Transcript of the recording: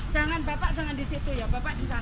jangan bapak jangan di situ ya bapak di sana